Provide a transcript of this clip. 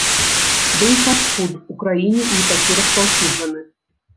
Дый фаст-фуд у краіне не такі распаўсюджаны.